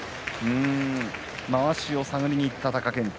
まわしを探りにいった貴健斗